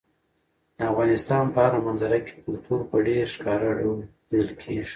د افغانستان په هره منظره کې کلتور په ډېر ښکاره ډول لیدل کېږي.